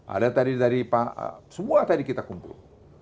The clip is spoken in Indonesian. ada tadi dari pak semua tadi kita kumpul